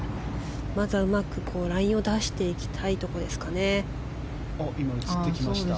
まずはうまくラインを出していきたいところですかね。